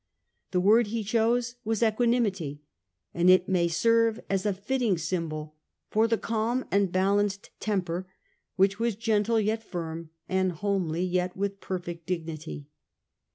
The word he chose was ' Equanimity,' and it may serve as a fitting symbol for the calm and balanced temper, which was gentle yet firm, and homely yet with perfect dignity.